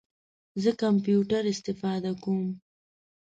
زه کمپیوټر استفاده کوم